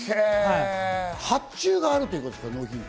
発注はあるということですか？